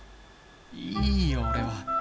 いいよ俺は。